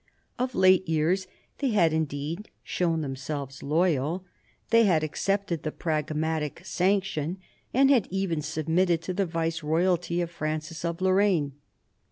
Of late years they had indeed shown themselves loyal. They had accepted the Pragmatic Sanction, and had even submitted to the viceroyalty of Francis of Lorraine.